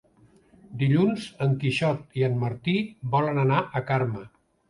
Dilluns en Quixot i en Martí volen anar a Carme.